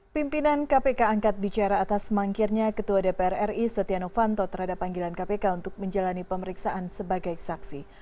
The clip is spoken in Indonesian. pimpinan kpk angkat bicara atas mangkirnya ketua dpr ri setia novanto terhadap panggilan kpk untuk menjalani pemeriksaan sebagai saksi